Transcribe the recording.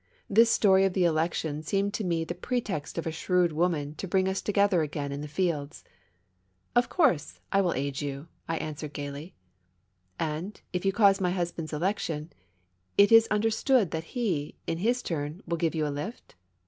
This story THE MAISONS LAFFITTE EACES. 49 of the election seemed to me the pretext of a shrewd 'woman to bring us together again in the fields. "Of course, I will aid you!" I answered, gayly. " And, if you cause my husband's election, it is under stood that he, in his turn, will give you a lift